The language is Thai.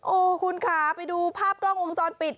โอ้โหคุณค่ะไปดูภาพกล้องวงจรปิด